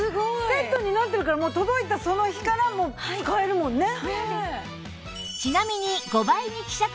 セットになってるからもう届いたその日から使えるもんね。